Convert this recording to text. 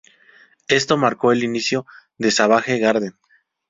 Esto marcó el inicio de Savage Garden.